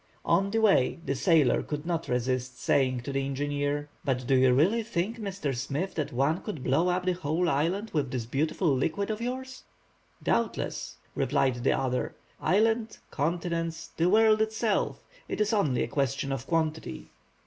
On the way the sailor could not resist saying to the engineer:— "But do you really think, Mr. Smith, that one could blow up the whole island with this beautiful liquid of yours?" "Doubtless," replied the other, "island, continents, the world itself. It is only a question of quantity."